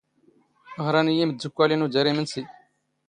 ⵖⵔⴰⵏ ⵉⵢⵉ ⵉⵎⴷⴷⵓⴽⴽⴰⵍ ⵉⵏⵓ ⴷⴰⵔ ⵉⵎⵏⵙⵉ.